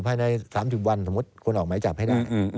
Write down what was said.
ภายใน๓๐วันสมมุติคนออกหมายจับให้ได้